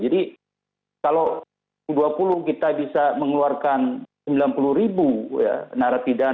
jadi kalau u dua puluh kita bisa mengeluarkan rp sembilan puluh ya narapidara